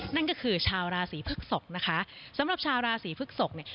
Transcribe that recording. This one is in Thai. นั่นก็คือชาวราศีพฤกษกนะคะสำหรับชาวราศีพฤกษกเนี่ย